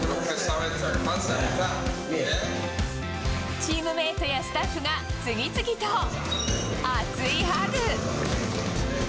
チームメートやスタッフが次々と、熱いハグ。